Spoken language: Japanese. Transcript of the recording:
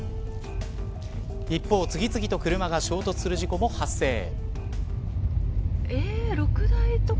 一方、次々と車が衝突する事故も発生。